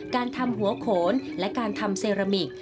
การทำหัวโขนและการทำเซรามิก